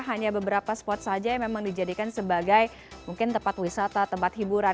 hanya beberapa spot saja yang memang dijadikan sebagai mungkin tempat wisata tempat hiburan